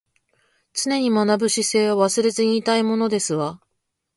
常に学ぶ姿勢は忘れずにいたいものですわ